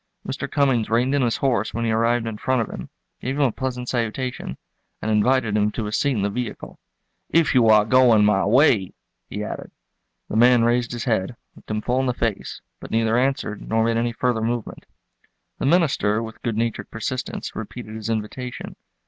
Mr. Cummings reined in his horse when he arrived in front of him, gave him a pleasant salutation and invited him to a seat in the vehicle—"if you are going my way," he added. The man raised his head, looked him full in the face, but neither answered nor made any further movement. The minister, with good natured persistence, repeated his invitation.